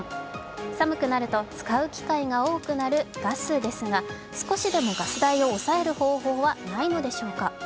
寒くなると、使う機会が多くなるガスですが、少しでもガス代を抑える方法はないのでしょうか。